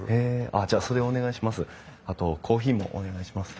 あっじゃあそれお願いします。